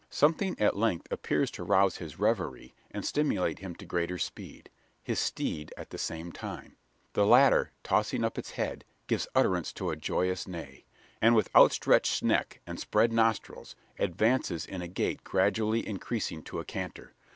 Something at length appears to rouse from his reverie, and stimulate him to greater speed his steed, at the same time. The latter, tossing up its head, gives utterance to a joyous neigh; and, with outstretched neck, and spread nostrils, advances in a gait gradually increasing to a canter.